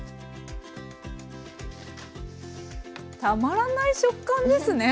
たまらない食感ですね。